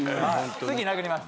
次殴ります。